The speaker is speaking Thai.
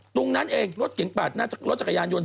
ตรงนั้นเองรถเก่งปากหน้าจักรยานยนต์